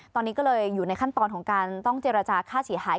ตอนนี้ก็เลยอยู่ในขั้นตอนของการต้องเจรจาค่าเสียหาย